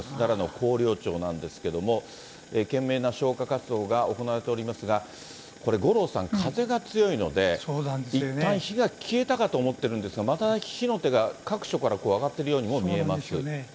奈良の広陵町なんですけども、懸命な消火活動が行われておりますが、これ、五郎さん、風が強いので、いったん火が消えたかと思ってるんですが、また火の手が各所から上がってるようにも見えます。